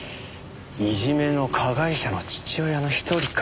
いじめの加害者の父親の一人か。